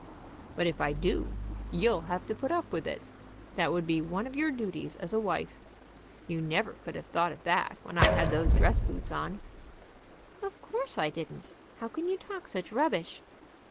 "But if I do, you'll have to put up with it. That would be one of your duties as a wife. You never could have thought of that when I had those dress boots on." "Of course I didn't. How can you talk such rubbish?"